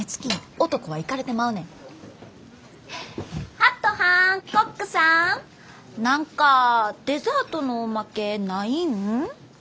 ハットはんコックさん何かデザートのおまけないん？